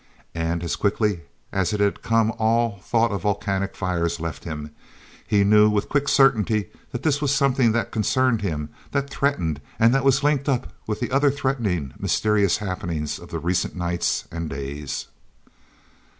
And as quickly as it had come all thought of volcanic fires left him; he knew with quick certainty that this was something that concerned him, that threatened, and that was linked up with the other threatening, mysterious happenings of the recent nights and days.